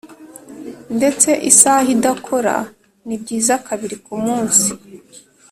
ndetse isaha idakora nibyiza kabiri kumunsi